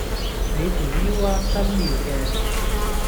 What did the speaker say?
你條腰吖真妙嘅